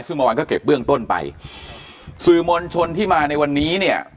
ซึ่งเมื่อวานก็เก็บเบื้องต้นไปสื่อมวลชนที่มาในวันนี้เนี่ย